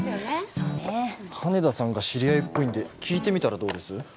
そうねー羽田さんが知り合いっぽいんで聞いてみたらどうです？